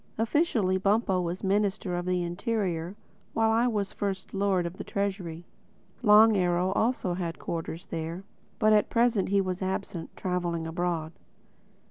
Officially Bumpo was Minister of the Interior; while I was First Lord of the Treasury. Long Arrow also had quarters there; but at present he was absent, traveling abroad.